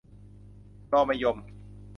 รอมะยม